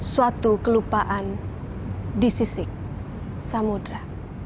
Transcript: suatu kelupaan di sisik samudera